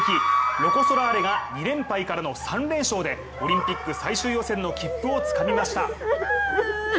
ロコ・ソラーレが２連敗からの３連勝でオリンピック最終予選の切符をつかみました。